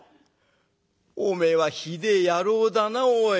おめえはひでえ野郎だなおい。